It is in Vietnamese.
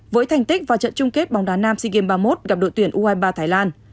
với thành tích và trận chung kết bóng đá nam sea games ba mươi một gặp đội tuyển u hai mươi ba thái lan